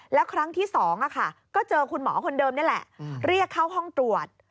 แล้วครั้งที่๒ก็เจอคุณหมอคนเดิมนี่แหละเรียกเข้าห้องตรวจ